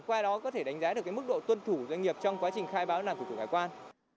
qua đó có thể đánh giá được mức độ tuân thủ doanh nghiệp trong quá trình khai báo làm cục của cơ quan